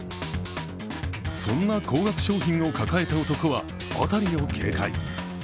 そんな高額商品を抱えた男は辺りを警戒。